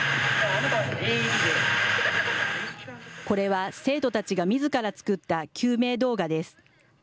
これは生徒たちがみずから作った救命動画です。